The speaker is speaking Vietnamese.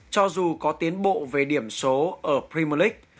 cho dù có tiến bộ về điểm số ở premier league